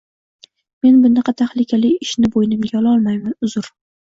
Men bunaqa tahlikali ishni boʻynimga ololmayman, uzr